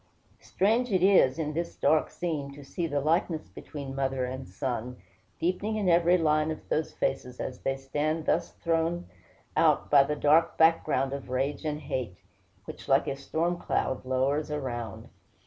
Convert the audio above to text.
Strange it is, in this dark scene, to see the likeness between mother and son, deepening in every line of those faces, as they stand thus thrown out by the dark background of rage and hate, which like a storm cloud lowers around.